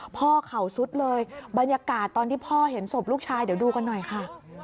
เข่าสุดเลยบรรยากาศตอนที่พ่อเห็นศพลูกชายเดี๋ยวดูกันหน่อยค่ะ